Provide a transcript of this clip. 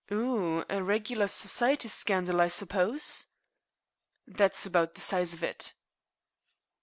"Phew! A regular society scandal, I suppose?" "That's about the size of it."